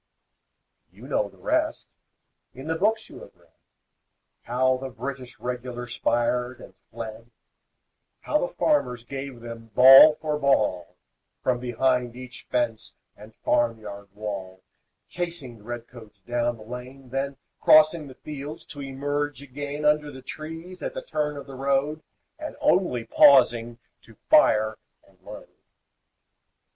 You know the rest. In the books you have read, How the British Regulars fired and fled, How the farmers gave them ball for ball, From behind each fence and farm yard wall, Chasing the red coats down the lane, Then crossing the fields to emerge again Under the trees at the turn of the road, And only pausing to fire and load.